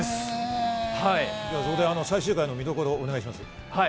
最終回の見どころ、お願いします。